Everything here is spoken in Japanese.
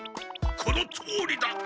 このとおりだ！